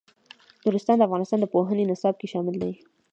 نورستان د افغانستان د پوهنې نصاب کې شامل دي.